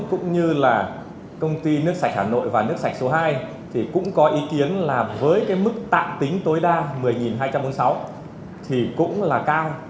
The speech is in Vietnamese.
cũng như là công ty nước sạch hà nội và nước sạch số hai thì cũng có ý kiến là với cái mức tạm tính tối đa một mươi hai trăm bốn mươi sáu thì cũng là cao